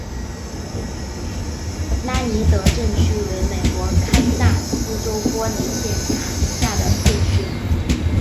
拉尼德镇区为美国堪萨斯州波尼县辖下的镇区。